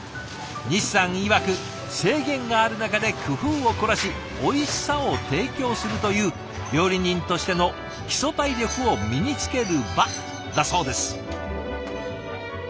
西さんいわく制限がある中で工夫を凝らしおいしさを提供するという料理人としての基礎体力を身につける場だそうです。